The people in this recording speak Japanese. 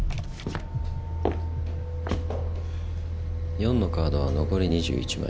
４のカードは残り２１枚。